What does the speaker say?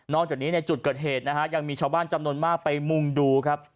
จากนี้ในจุดเกิดเหตุนะฮะยังมีชาวบ้านจำนวนมากไปมุ่งดูครับ